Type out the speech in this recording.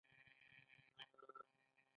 آیا د کاناډا کانونه ډیر بډایه نه دي؟